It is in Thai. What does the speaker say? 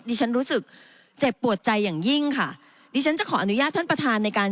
ฉันรู้สึกเจ็บปวดใจอย่างยิ่งค่ะดิฉันจะขออนุญาตท่านประธานในการ